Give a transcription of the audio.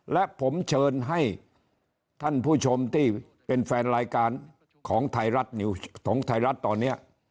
และผมเชิญให้ท่านผู้ชมที่เป็นแฟนรายการของไทยรัฐนิวของไทยรัฐตอนนี้